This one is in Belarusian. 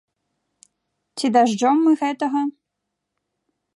Ці дажджом мы гэтага?